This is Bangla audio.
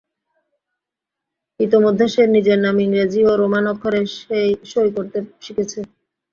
ইতোমধ্যে সে নিজের নাম ইংরেজী ও রোমান অক্ষরে সই করতে শিখেছে।